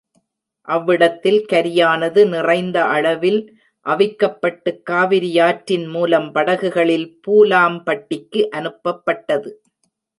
அவ்விடத்தில் கரியானது நிறைந்த அளவில் அவிக்கப்பட்டுக் காவிரியாற்றின் மூலம் படகுகளில் பூலாம் பட்டிக்கு அனுப்பப்பட்டது.